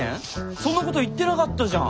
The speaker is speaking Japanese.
そんなこと言ってなかったじゃん！